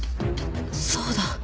そうだ。